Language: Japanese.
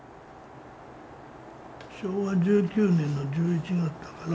昭和１９年の１１月だから。